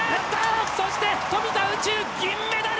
そして、富田宇宙銀メダル！